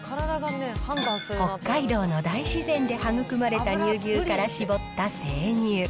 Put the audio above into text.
北海道の大自然で育まれた乳牛から搾った生乳。